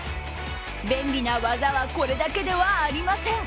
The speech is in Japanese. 便利な技はこれだけではありません。